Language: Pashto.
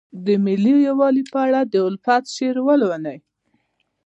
د ملي یووالي په اړه د الفت شعر لولئ.